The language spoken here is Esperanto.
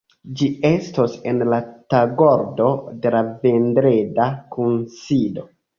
Ĝi estos en la tagordo de la vendreda kunsido.